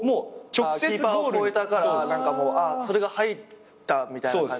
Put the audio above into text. キーパーを越えたからそれが入ったみたいな感じ？